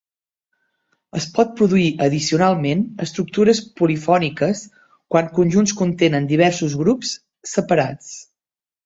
Es pot produir addicionalment estructures polifòniques quan conjunts contenen diversos grups, separats.